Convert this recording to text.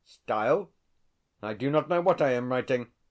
Style? I do not know what I am writing.